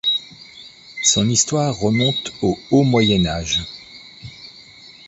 Son histoire remonte au haut Moyen Âge.